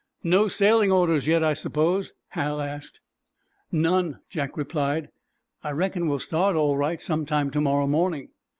"No sailing orders yet, I suppose?" Hal asked. "None," Jack replied. "I reckon we'll start, all right, some time to morrow morning."